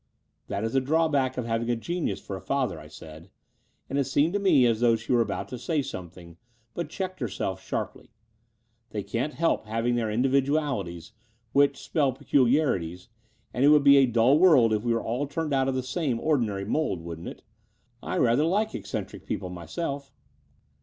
"That is the drawback of having a genius for a father," I said; and it seemed to me as though she were about to say something, but checked herself sharply. "They can't help having their individu alities, which spell peculiarities: and it would be a dull world if we were ajl turned out of the same ordinary mould, wouldn't it? I rather like eccen tric people myself."